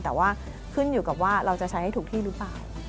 แต่ว่าขึ้นอยู่กับว่าเราจะใช้ให้ถูกที่หรือเปล่า